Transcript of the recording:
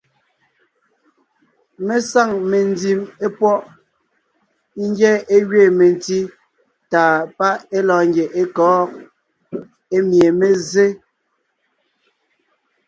Mé saŋ memdí epwɔʼ, ńgyá é gẅiin mentí tàa páʼ é lɔɔn ńgie é kɔ̌g, emie mé zsé.